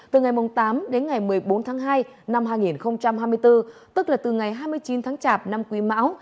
từ ngày tám đến ngày một mươi bốn tháng hai năm hai nghìn hai mươi bốn tức là từ ngày hai mươi chín tháng chạp năm quý mão